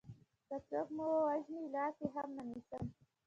که څوک مې وژني لاس يې هم نه نيسم